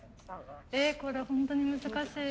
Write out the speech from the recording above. えこれホントに難しい。